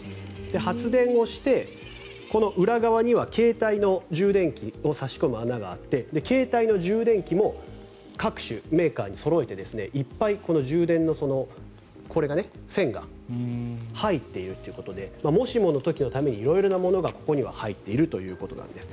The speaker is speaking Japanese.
発電をして、この裏側には携帯の充電器を差し込む穴があって携帯の充電器も各種、メーカーそろえていっぱい充電の線が入っているということでもしもの時のために色々なものが入っているということです。